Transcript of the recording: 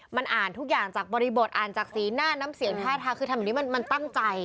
มันอ่านทุกอย่างจากบริบทอ่านจากสีหน้าน้ำเสียงท่าทางคือทำแบบนี้มันตั้งใจ